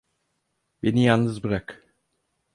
Beni yalnız bırak.